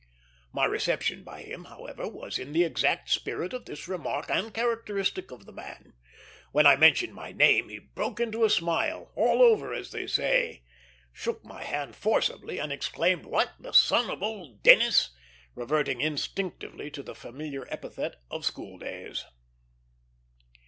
My reception by him, however, was in the exact spirit of this remark, and characteristic of the man. When I mentioned my name he broke into a smile all over, as they say shook my hand forcibly, and exclaimed, "What, the son of old Dennis?" reverting instinctively to the familiar epithet of school days.